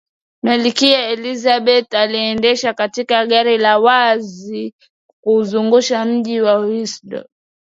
malkia elizabeth aliendeshwa katika gari la wazi kuuzunguza mji wa windsor